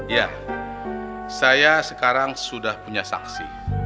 ya saya sekarang sudah punya saksi